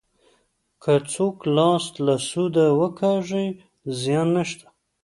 که څوک لاس له سوده وکاږي زیان نشته.